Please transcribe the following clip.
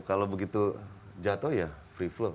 kalau begitu jatuh ya free flow